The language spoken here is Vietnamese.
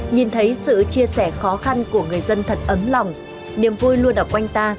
nhìn thấy sự chia sẻ khó khăn của người dân thật ấm lòng niềm vui luôn ở quanh ta